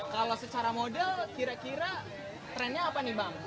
kalau secara model kira kira trennya apa nih bang